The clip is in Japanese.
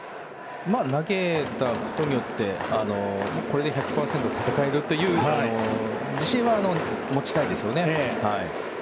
投げたことでこれで１００％戦えるという自信は持ちたいですよね。